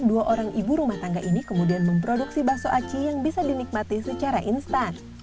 dua orang ibu rumah tangga ini kemudian memproduksi bakso aci yang bisa dinikmati secara instan